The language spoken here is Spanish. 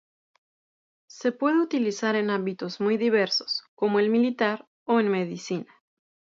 Se puede utilizar en ámbitos muy diversos, como el militar o en medicina.